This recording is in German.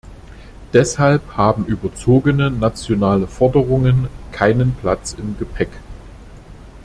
Deshalb haben überzogene nationale Forderungen keinen Platz im Gepäck.